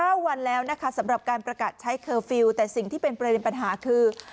วันแล้วนะคะสำหรับการประกาศใช้เคอร์ฟิลล์แต่สิ่งที่เป็นประเด็นปัญหาคือ